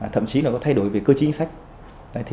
thậm chí là có thay đổi về cơ trí sách